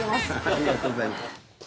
ありがとうございます。